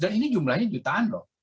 nah ini jumlahnya jutaan lho